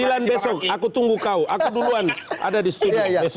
sembilan besok aku tunggu kau aku duluan ada di studio besok